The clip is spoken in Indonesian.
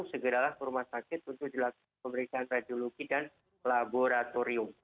segeralah ke rumah sakit untuk dilakukan pemeriksaan radiologi dan laboratorium